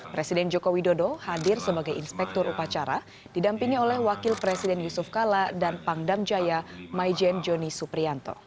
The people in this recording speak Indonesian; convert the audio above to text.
presiden joko widodo hadir sebagai inspektur upacara didampingi oleh wakil presiden yusuf kala dan pangdam jaya maijen joni suprianto